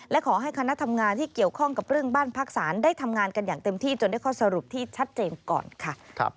และขอให้คณะทำงานที่เกี่ยวข้องกับเรื่องบ้านพักศาลได้ทำงานกันอย่างเต็มที่จนได้ข้อสรุปที่ชัดเจนก่อนค่ะ